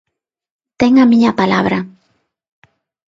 Ten a miña palabra.